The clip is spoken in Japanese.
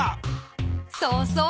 そうそう。